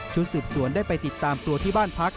สืบสวนได้ไปติดตามตัวที่บ้านพัก